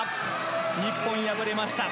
日本敗れました。